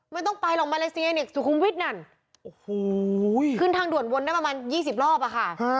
ไม่ต้องไปหรอกมาเลเซียนี่สุขุมวิทย์นั่นโอ้โหขึ้นทางด่วนวนได้ประมาณยี่สิบรอบอะค่ะ